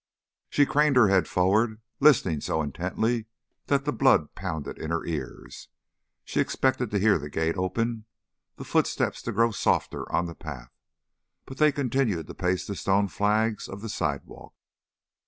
She craned her head forward, listening so intently that the blood pounded in her ears. She expected to hear the gate open, the footsteps to grow softer on the path. But they continued to pace the stone flags of the sidewalk.